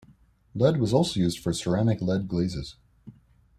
Lead was also used for ceramic lead glazes.